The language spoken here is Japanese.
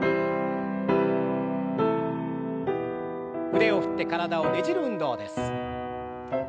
腕を振って体をねじる運動です。